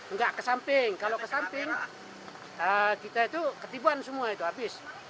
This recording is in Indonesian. nggak ke samping kalau ke samping kita itu ketibuan semua itu habis